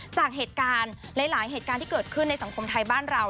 จากเหตุการณ์หลายเหตุการณ์ที่เกิดขึ้นในสังคมไทยบ้านเรา